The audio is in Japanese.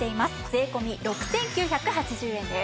税込６９８０円です。